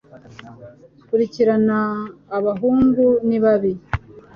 Kurikirana abahungu. Ni babi.